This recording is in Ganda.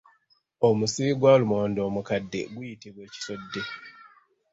Omusiri gwa lumonde omukadde guyitibwa ekisodde.